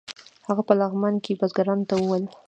هغه په لغمان کې بزګرانو ته ویل.